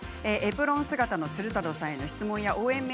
エプロン姿の鶴太郎さんへの質問や応援